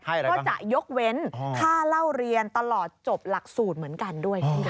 ก็จะยกเว้นค่าเล่าเรียนตลอดจบหลักสูตรเหมือนกันด้วย